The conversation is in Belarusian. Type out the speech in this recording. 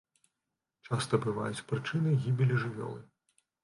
Часта бываюць прычынай гібелі жывёлы.